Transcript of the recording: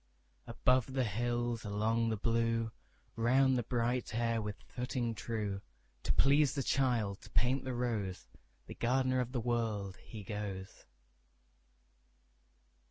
Above the hills, along the blue, Round the bright air with footing true, To please the child, to paint the rose, The gardener of the World, he goes.